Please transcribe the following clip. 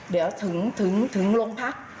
เดี๋ยวถึงโรงพัก